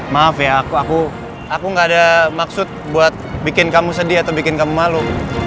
maaf ya aku gak ada maksud bikin kamu sedih atau bikin kamu malu